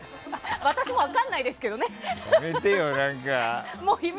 私も分からないですけどね。